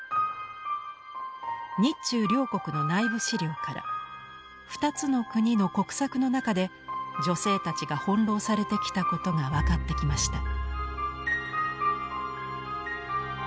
日中両国の内部資料から２つの国の国策の中で女性たちが翻弄されてきたことが分かってきました。